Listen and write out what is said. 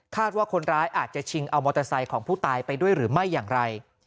ว่าคนร้ายอาจจะชิงเอามอเตอร์ไซค์ของผู้ตายไปด้วยหรือไม่อย่างไร